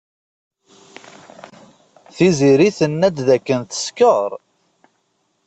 Tiziri tenna-d dakken teskeṛ.